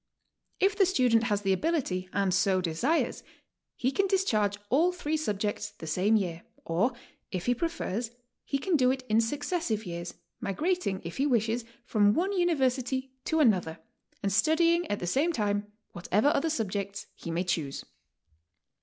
If the student has the ability and so desires, he can discharge all three subjects the same year; or, if he prefers, he can do it in successive years, migratting, if he wishes, from one university to another, and studying at the same time whatever other subjects he may choose.